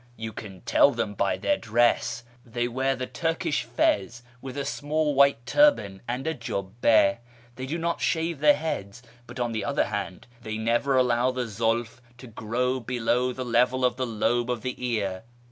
You can tell them by their dress ; they wear the Turkish fez with a small white turban, and a jubM ; they do not shave their heads, but on the other hand they never allow the zulf to grow below the level of the lobe of the ear.